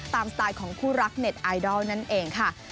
สไตล์ของคู่รักเน็ตไอดอลนั่นเองค่ะ